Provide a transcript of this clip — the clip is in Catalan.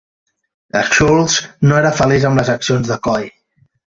Schultz no era feliç amb les accions de Coll.